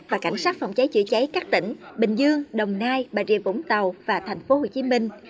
và cảnh sát phòng cháy chữa cháy các tỉnh bình dương đồng nai bà rìa vũng tàu và tp hcm